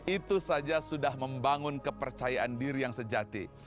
itu saja sudah membangun kepercayaan diri yang sejati